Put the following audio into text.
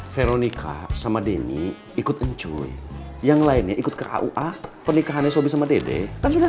veronica sama denny ikut ncoy yang lainnya ikut ke aua pernikahannya sobri sama dede dan sudah